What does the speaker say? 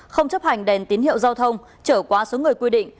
không chấp hành đèn tín hiệu giao thông trở quá số người quy định